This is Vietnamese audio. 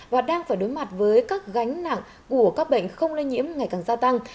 và đang phải đối mặt với các gánh nặng của các bệnh không lây nhiễm ngày càng gia tăng